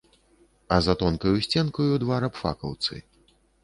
А за тонкаю сценкаю два рабфакаўцы.